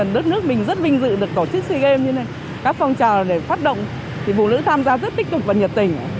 đất nước mình rất vinh dự được tổ chức sea games